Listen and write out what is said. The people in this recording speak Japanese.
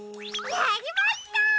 やりました！